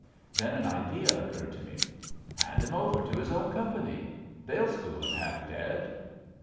Then an idea occurred to me. *' Hand him over to his own Company. They'll school him half dead."